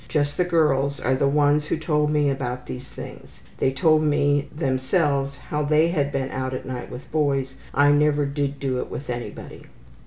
Just the girls are the ones who told me about these things. They told me themselves how they had been out at night with the boys. I never did do it with anybody.''